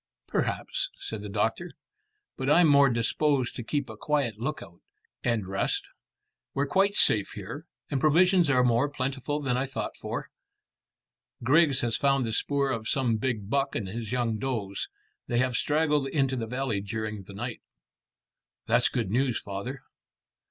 "Perhaps," said the doctor; "but I'm more disposed to keep a quiet lookout, and rest. We're quite safe here, and provisions are more plentiful than I thought for. Griggs has found the spoor of some big buck and his young does. They have straggled into the valley during the night." "That's good news, father."